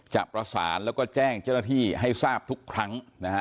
จับระสานและแจ้งเจ้าหน้าที่ให้ทราบทุกครั้ง